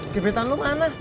gebetan lu mana